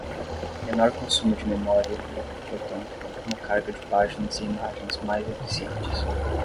Menor consumo de memória e, portanto, uma carga de páginas e imagens mais eficientes.